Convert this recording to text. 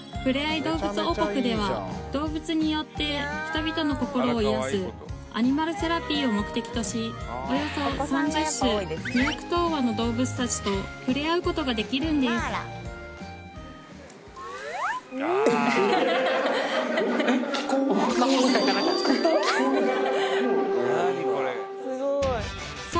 動物王国では動物によって人々の心を癒やすアニマルセラピーを目的としおよそ３０種２００頭羽の動物たちと触れ合うことができるんですえっ？